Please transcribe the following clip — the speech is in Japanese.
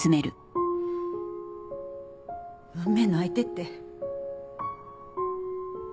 運命の相手って。